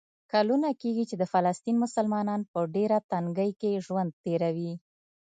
کلونه کېږي چې د فلسطین مسلمانان په ډېره تنګۍ کې ژوند تېروي.